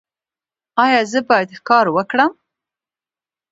ایا زه باید ښکار وکړم؟